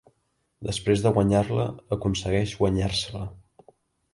Després de guanyar-la aconsegueix guanyar-se-la.